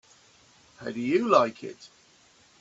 How do you like it?